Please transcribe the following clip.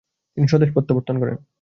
তিনি স্বদেশ প্রত্যাবর্তন করেন।